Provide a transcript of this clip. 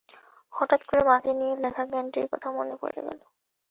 হঠাত্ করে মাকে নিয়ে লেখা গানটির কথা আমার মনে পড়ে গেল।